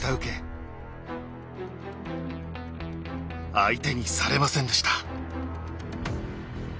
相手にされませんでした。